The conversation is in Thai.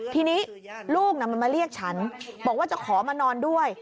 ทีนี้ลูกมันมาเรียกฉันบอกว่าจะขอมานอนด้วย